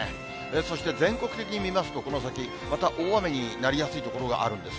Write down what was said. そして、全国的に見ますと、この先、また大雨になりやすい所があるんです。